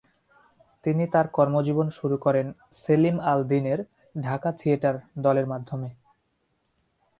তিনি তার কর্মজীবন শুরু করেন সেলিম আল দীনের "ঢাকা থিয়েটার" দলের মাধ্যমে।